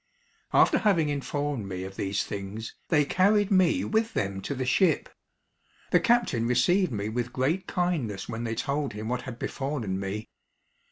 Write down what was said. After having informed me of these things, they carried me with them to the ship; the captain received me with great kindness when they told him what had befallen me.